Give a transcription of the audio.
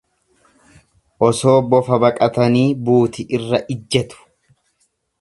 Osoo bofa baqatanii buuti irra ijjatu.